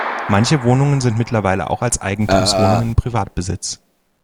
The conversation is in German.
Manche Wohnungen sind mittlerweile auch als Eigentumswohnungen in Privatbesitz.